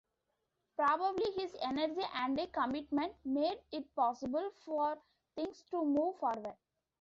Probably his energy and commitment made it possible for things to move forward.